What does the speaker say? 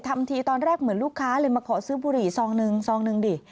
ทำทีตอนแรกเหมือนลูกค้าเลยมาขอซื้อบุหรี่ซองนึงซองหนึ่งดิ